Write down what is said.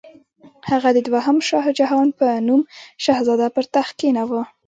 هغه د دوهم شاهجهان په نوم شهزاده پر تخت کښېناوه.